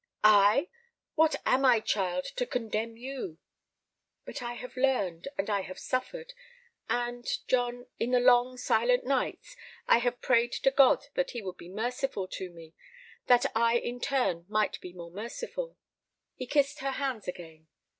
"I! What am I, child, to condemn you?" "But I have learned and I have suffered, and, John, in the long, silent nights I have prayed to God that He would be merciful to me—that I in turn might be more merciful." He kissed her hands again.